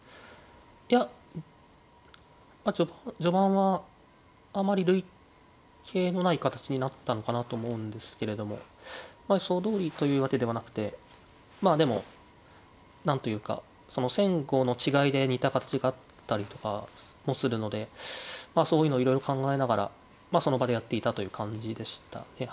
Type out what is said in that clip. いや序盤はあまり類型のない形になったのかなと思うんですけれども予想どおりというわけではなくてまあでも何というか先後の違いで似た形があったりとかもするのでそういうのをいろいろ考えながらまあその場でやっていたという感じでした。